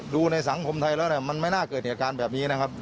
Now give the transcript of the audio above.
ดูในสังคมไทยแล้วมันไม่น่าเกิดเหตุการณ์แบบนี้